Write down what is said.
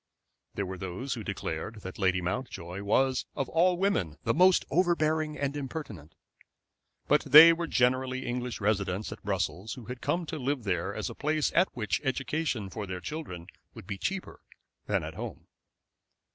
There were those who declared that Lady Mountjoy was of all women the most overbearing and impertinent. But they were generally English residents at Brussels, who had come to live there as a place at which education for their children would be cheaper than at home.